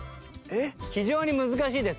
非常に難しいです。